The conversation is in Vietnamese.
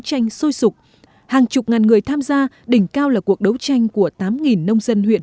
tranh sôi sụp hàng chục ngàn người tham gia đỉnh cao là cuộc đấu tranh của tám nông dân huyện